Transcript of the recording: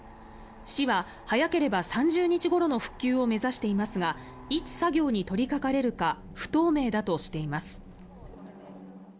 市は早ければ３０日ごろの復旧を目指していますがいつ作業に取りかかれるか不透明だとしています。